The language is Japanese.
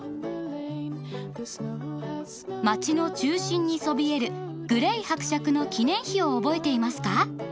街の中心にそびえるグレイ伯爵の記念碑を覚えていますか？